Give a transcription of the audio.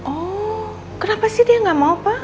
oh kenapa sih dia nggak mau pak